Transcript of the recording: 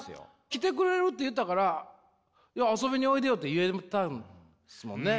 「来てくれる」って言ったから「遊びにおいでよ」って言えたんですもんね。